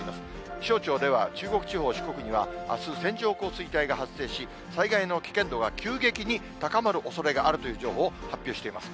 気象庁では、中国地方、四国にはあす、線状降水帯が発生し、災害の危険度が急激に高まるおそれがあるという情報を発表しています。